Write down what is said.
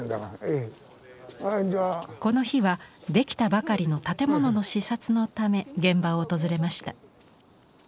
この日は出来たばかりの建物の視察のため現場を訪れました。